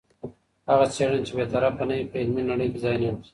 هغه څېړنه چي بې طرفه نه وي په علمي نړۍ کي ځای نه لري.